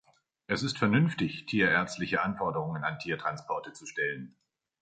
Es ist vernünftig, tierärztliche Anforderungen an Tiertransporte zu stellen.